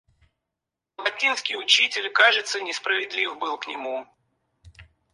Латинский учитель, кажется, несправедлив был к нему.